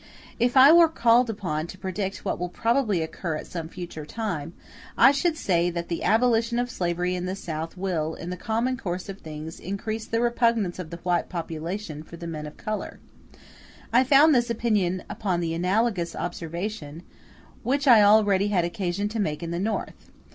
If I were called upon to predict what will probably occur at some future time, I should say, that the abolition of slavery in the South will, in the common course of things, increase the repugnance of the white population for the men of color. I found this opinion upon the analogous observation which I already had occasion to make in the North.